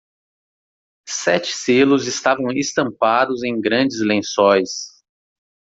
Sete selos estavam estampados em grandes lençóis.